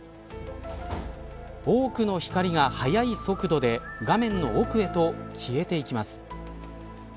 多くの光が速い速度で画面の奥へと消えていきます。